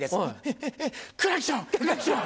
ヘヘヘクラクションクラクション！